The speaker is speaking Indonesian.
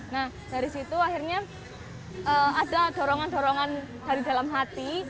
nah dari situ akhirnya ada dorongan dorongan dari dalam hati